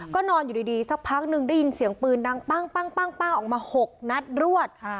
ก็นอนอยู่ดีสักพักหนึ่งได้ยินเสียงปืนดังปั้งออกมา๖นัดรวด